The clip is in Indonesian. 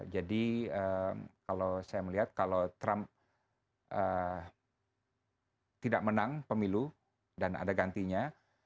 jadi kalau saya melihat kalau trump tidak menang pemilu dan ada gantinya